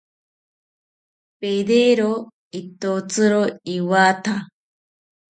Pedero ithotziro iwatha